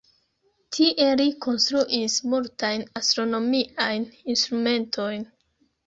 Tie li konstruis multajn astronomiajn instrumentojn.